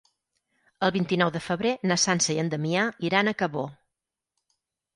El vint-i-nou de febrer na Sança i en Damià iran a Cabó.